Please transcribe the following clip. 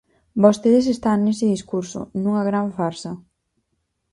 Vostedes están nese discurso, nunha gran farsa.